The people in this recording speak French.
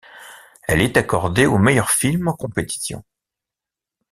Elle est accordée au meilleur film en compétition.